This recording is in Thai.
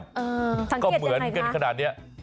เออสังเกตอย่างไรคะก็เหมือนกันขนาดนี้